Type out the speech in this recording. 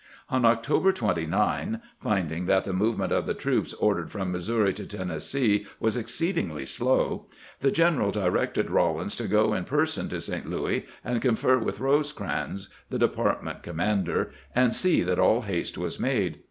On October 29, finding that the movement of the troops ordered from Missouri to Tennessee was exceedingly slow, the general directed Eawlins to go in person to St. Louis, and confer with Eosecrans, the department commander, and see that all haste was made.